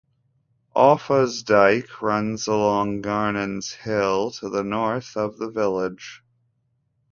Offa's Dyke runs along Garnons Hill to the north of the village.